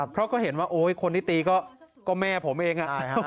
เพราะก็เห็นว่าโอ๊ยคนที่ตีก็แม่ผมเอง